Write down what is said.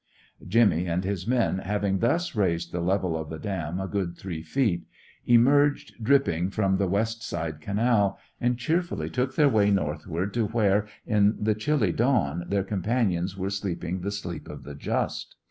Jimmy and his men, having thus raised the level of the dam a good three feet, emerged dripping from the west side canal, and cheerfully took their way northward to where, in the chilly dawn, their companions were sleeping the sleep of the just.